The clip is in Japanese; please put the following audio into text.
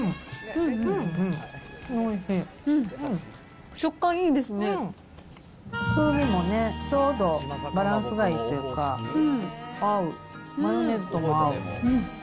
風味もね、ちょうどバランスがいいっていうか、合う、マヨネーズとも合う。